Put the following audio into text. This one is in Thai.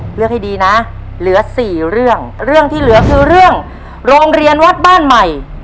เลือกให้ดีนะเหลือสี่เรื่องเรื่องที่เหลือคือเรื่องโรงเรียนวัดบ้านใหม่